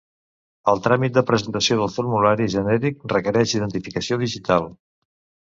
El tràmit de presentació del formulari genèric requereix identificació digital.